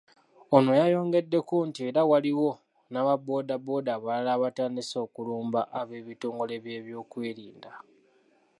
Ono yayongeddeko nti era waliwo n'aba bbooda bbooda abalala abatandise okulumba eb'ebitongole by'ebyokwerinda.